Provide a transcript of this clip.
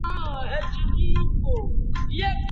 په لاس لیکل د یو کار د بشپړولو ژمنتیا ښیي.